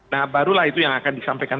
nah barulah itu yang akan disampaikan